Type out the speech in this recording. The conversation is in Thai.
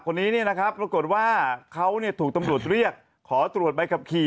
คนนี้เนี่ยนะครับปรากฏว่าเขาถูกตำรวจเรียกขอตรวจใบขับขี่